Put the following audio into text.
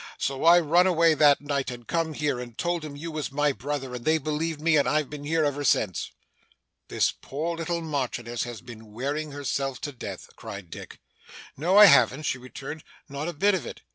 So I run away that night, and come here, and told 'em you was my brother, and they believed me, and I've been here ever since.' 'This poor little Marchioness has been wearing herself to death!' cried Dick. 'No I haven't,' she returned, 'not a bit of it.